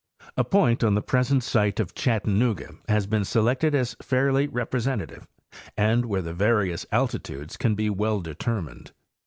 A point on the present site of Chattanooga has been selected as fairly representative and where the various alti tudes can be well determined.